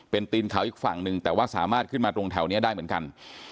เป็นตีนเขาอีกฝั่งหนึ่งแต่ว่าสามารถขึ้นมาตรงแถวนี้ได้เหมือนกัน